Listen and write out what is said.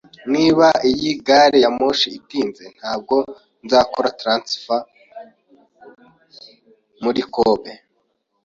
Niba iyi gari ya moshi itinze, ntabwo nzakora transfert muri Kobe.